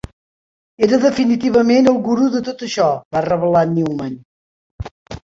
Era definitivament el gurú de tot això, va revelar Newman.